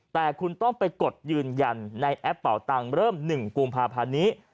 แต่คุณต้องไปกดยืนยันในแอปเป่าตังค์เริ่ม๑กุมภาพันธ์นี้